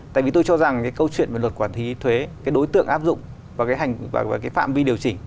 tại vì tôi cho rằng cái câu chuyện về luật quản lý thuế cái đối tượng áp dụng và cái phạm vi điều chỉnh